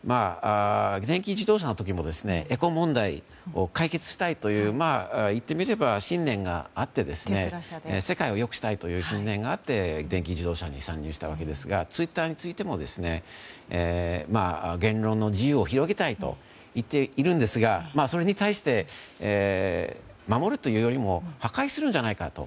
電気自動車の時もエコ問題を解決したいといういってみれば世界を良くしたいという信念があって電気自動車に参入したわけですがツイッターについても言論の自由を広げたいと言っているんですがそれに対して守るというよりも破壊するんじゃないかと。